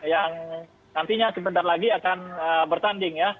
yang nantinya sebentar lagi akan bertanding ya